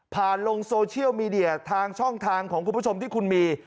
ลงโซเชียลมีเดียทางช่องทางของคุณผู้ชมที่คุณมี